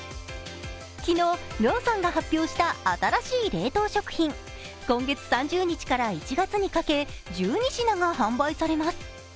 昨日、ローソンが発表した新しい冷凍食品、今月３０日から１月にかけ１２品が販売されます。